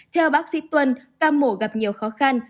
theo bác sĩ tuân ca mổ gặp nhiều khó khăn